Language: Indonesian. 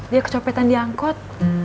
dia kecopetan diangkut